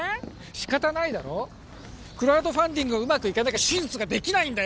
仕方ないだろクラウドファンディングがうまくいかなきゃ手術ができないんだよ